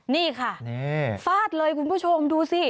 นี่ค่ะฟาดเลยคุณผู้ชมดูสิ